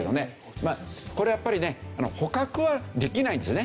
まあこれやっぱりね捕獲はできないんですね。